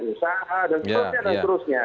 usaha dan seterusnya